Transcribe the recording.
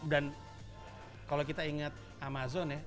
dan kalau kita inget amazon ya